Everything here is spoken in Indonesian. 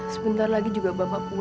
sebentar lagi juga bapak pulang